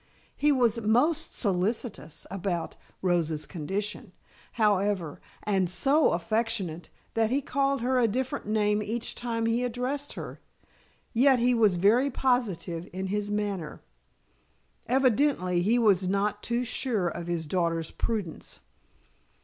He was most solicitous about Rosa's condition, however, and so affectionate that he called her a different name each time he addressed her, yet he was very positive in his manner. Evidently, he was not too sure of his daughter's prudence.